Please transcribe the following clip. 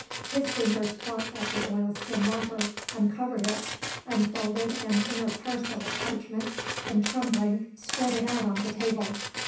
His fingers plucked at the oilskin wrapper, uncovered it, unfolded an inner parcel of parchment, and, trembling, spread it out on the table.